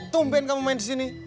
tumben kamu main di sini